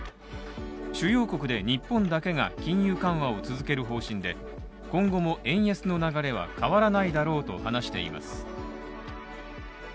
主要国で日本だけが金融緩和を続ける方針で、今後も円安の流れは変わらないだろうと話しています。